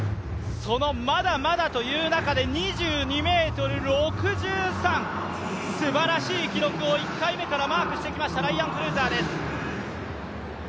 そのまだまだという中で２２ｍ６３、すばらしい記録を１回目からマークしてきました、ライアン・クルーザーです。